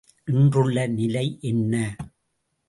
இன்றுள்ள நிலை என்ன?